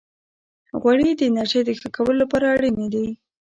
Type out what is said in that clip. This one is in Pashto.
غوړې د انرژۍ د ښه کولو لپاره اړینې دي.